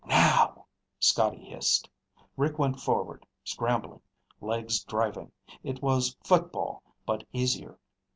"Now," Scotty hissed. Rick went forward, scrambling, legs driving. It was football, but easier.